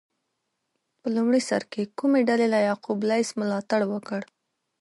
په لومړي سر کې کومې ډلې له یعقوب لیث ملاتړ وکړ؟